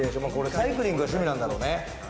サイクリングが趣味なんだろうね。